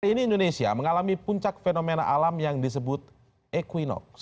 hari ini indonesia mengalami puncak fenomena alam yang disebut equinox